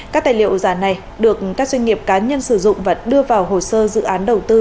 các tài liệu giả này được các doanh nghiệp cá nhân sử dụng và đưa vào hồ sơ dự án đầu tư